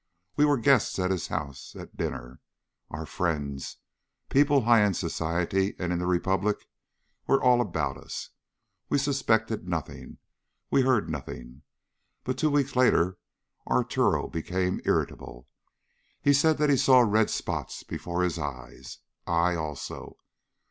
"We were guests at his house at dinner. Our friends, people high in society and in the Republic, were all about us. We suspected nothing. We had heard nothing. But two weeks later Arturo became irritable. He said that he saw red spots before his eyes. I also.